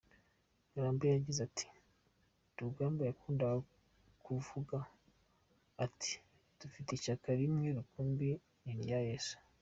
Ngarambe yagize ati “Rugamba yakundaga kuvuga ati ‘dufite ishyaka rimwe rukumbi ni irya Yezu’.